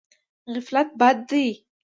غفلت بد دی.